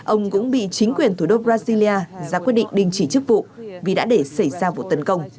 ông cũng bị chính quyền thủ đô brazil ra quyết định đình chỉ chức vụ vì đã để xảy ra vụ tấn công